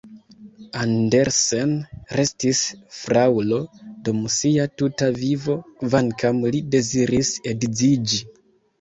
Andersen restis fraŭlo dum sia tuta vivo, kvankam li deziris edziĝi.